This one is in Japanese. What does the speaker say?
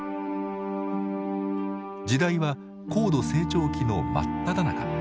時代は高度成長期の真っただ中。